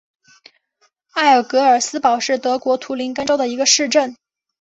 埃尔格尔斯堡是德国图林根州的一个市镇。